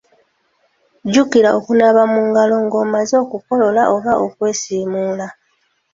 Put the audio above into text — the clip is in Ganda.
Jjukira okunaaba mu ngalo ng’omaze okukolola oba okwasimula.